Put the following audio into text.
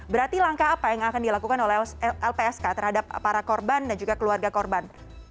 berarti langkah apa yang akan dilakukan oleh lpsk terhadap para korban dan juga keluarga korban